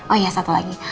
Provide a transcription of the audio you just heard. oh iya satu lagi